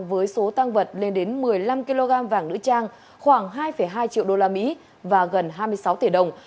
với số tăng vật lên đến một mươi năm kg vàng nữ trang khoảng hai hai triệu usd và gần hai mươi sáu tỷ đồng